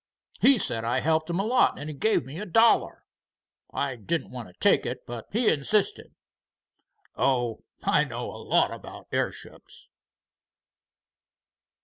He said I helped him a lot, and he gave me a dollar. I didn't want to take it, but he insisted. Oh, I know a lot about airships."